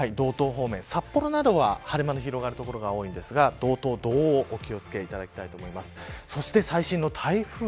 札幌などは、晴れ間の広がる所が多いんですが道東、道央、お気を付けていただきたいと思います。